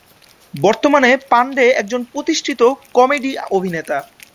বর্তমানে, পান্ডে একজন প্রতিষ্ঠিত কমেডি অভিনেতা।